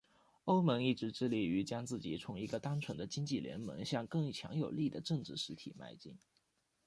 欧盟一直致力于将自己从一个单纯的经济联盟向更强有力的政治实体迈进。